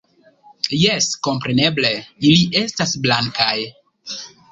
- Jes, kompreneble, ili estas blankaj...